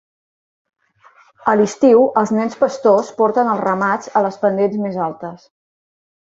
A l'estiu els nens pastors porten els ramats a les pendents més altes.